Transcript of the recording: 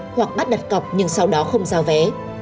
hoặc bắt đặt cọc nhưng sau đó không giao vé